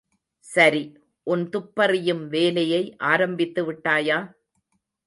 சரி, உன் துப்பறியும் வேலையை ஆரம்பித்துவிட்டாயா?